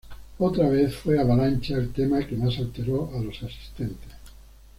Otra vez fue ""Avalancha"" el tema que más alteró a los asistentes.